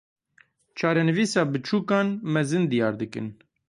Çarenivîsa biçûkan, mezin diyar dikin.